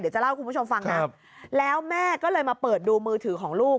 จะเล่าให้คุณผู้ชมฟังนะแล้วแม่ก็เลยมาเปิดดูมือถือของลูก